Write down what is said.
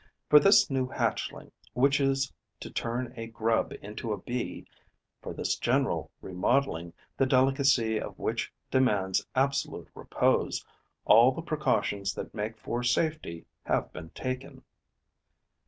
For this new hatching, which is to turn a grub into a Bee, for this general remodelling, the delicacy of which demands absolute repose, all the precautions that make for safety have been taken.